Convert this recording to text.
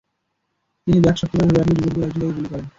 তিনি ব্যাগ শক্ত করে ধরে রাখলে যুবকদের একজন তাঁকে গুলি করেন।